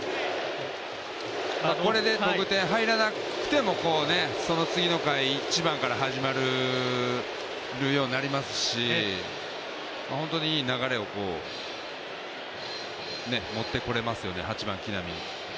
これで得点入らなくてもその次の回、１番から始まるようになりますし本当にいい流れを持ってこれますよね、８番・木浪に。